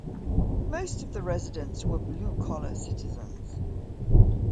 Most of the residents were blue collar citizens.